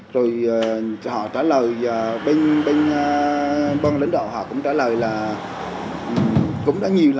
rồi họ trả lời bên đoàn lãnh đạo họ cũng trả lời là cũng đã nhiều lần